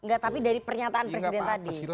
enggak tapi dari pernyataan presiden tadi